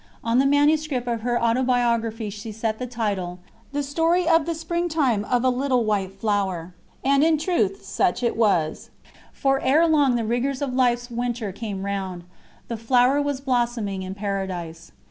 On the manuscript of her Autobiography she set the title: "The Story of the Springtime of a little white Flower," and in truth such it was, for long ere the rigours of life's winter came round, the Flower was blossoming in Paradise.